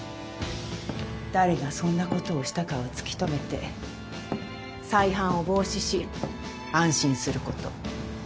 誰がそんなことをしたかを突き止めて再犯を防止し安心すること。